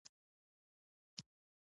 رنګونه یې طبیعي دي.